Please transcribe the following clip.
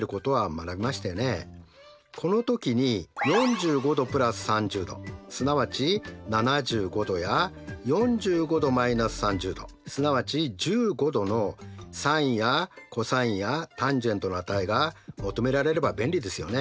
この時に４５°＋３０°すなわち７５°や４５°−３０°すなわち１５°のｓｉｎやｃｏｓやｔａｎの値が求められれば便利ですよね。